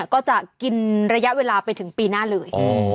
ก็จะกินระยะเวลาไปถึงปีหน้าเลย